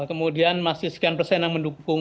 kemudian masih sekian persen yang mendukung